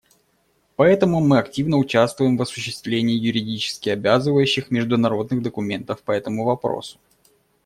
Поэтому мы активно участвуем в осуществлении юридически обязывающих международных документов по этому вопросу.